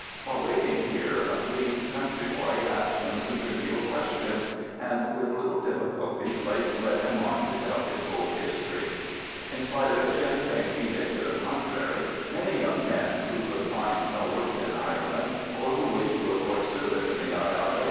While waiting here a green country boy asked him some trivial question, and with little difficulty Blake led him on to tell his whole history. In spite of a Sinn Fein edict to the contrary, many young men, who could find no work in Ireland, or who wished to avoid service in the I.R.A.